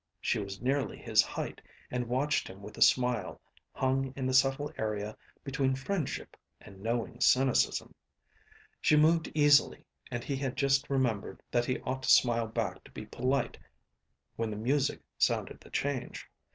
She was nearly his height, and watched him with a smile hung in the subtle area between friendship and knowing cynicism. She moved easily, and he had just remembered that he ought to smile back to be polite when the music sounded the change.